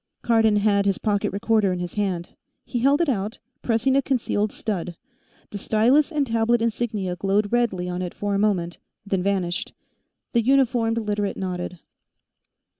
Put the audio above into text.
Cardon had his pocket recorder in his hand. He held it out, pressing a concealed stud; the stylus and tablet insignia glowed redly on it for a moment, then vanished. The uniformed Literate nodded.